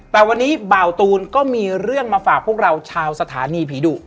แต่วันนี้เบาตูนก็มีเรื่องมาฝากพวกเราชาวสถานีผีดุ